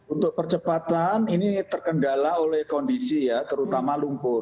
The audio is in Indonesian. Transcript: untuk percepatan ini terkendala oleh kondisi ya terutama lumpur